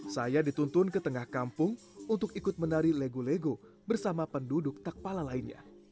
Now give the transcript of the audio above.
saya dituntun ke tengah kampung untuk ikut menari lego lego bersama penduduk takpala lainnya